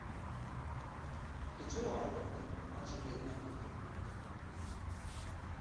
Tu çawa axaftin an jî nêrîna xwe digihîne malbata xwe?